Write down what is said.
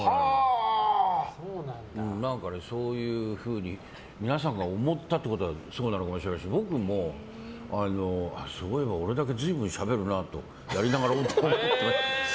そういうふうに皆さんが思ったってことはそうなのかもしれないし僕も、すごいわ俺だけ随分しゃべるなとやりながら思って。